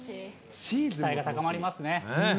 期待が高まりますね。